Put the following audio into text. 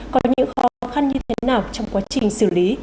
có những khó khăn như thế nào trong quá trình xử lý